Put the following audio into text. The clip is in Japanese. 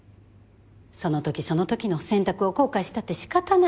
そのときそのときの選択を後悔したって仕方ない。